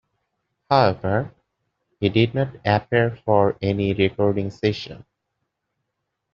However, he did not appear for any recording sessions.